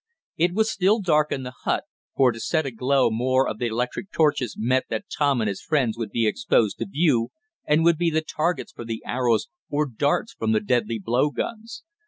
It was still dark in the hut, for to set aglow more of the electric torches meant that Tom and his friends would be exposed to view, and would be the targets for the arrows, or darts from the deadly blow guns.